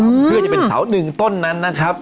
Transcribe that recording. เพื่อจะเป็นเสาหนึ่งต้นนั้นนะครับ